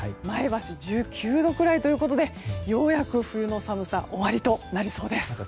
前橋、１９度くらいということでようやく冬の寒さが終わりとなりそうです。